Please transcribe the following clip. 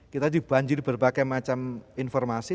kita dibanjiri berbagai macam informasi